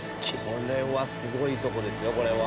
これはすごいとこですよ。